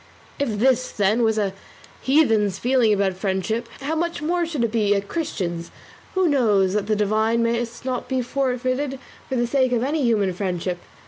If this, then, was a heathen's feeling about friendship, how much more should it be a Christian's, who knows that the divine must not be forfeited for the sake of any human friendship?